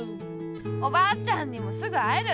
おばあちゃんにもすぐあえる！